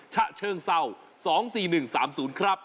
ฉะเชิงเศร้า๒๔๑๓๐ครับ